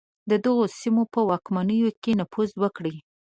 د دغو سیمو په واکمنانو کې نفوذ وکړي.